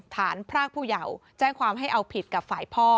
พรากผู้เยาว์แจ้งความให้เอาผิดกับฝ่ายพ่อ